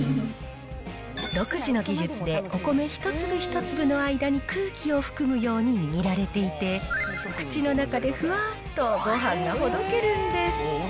独自の技術で、お米一粒一粒の間に空気を含むように握られていて、口の中でふわーっとごはんがほどけるんです。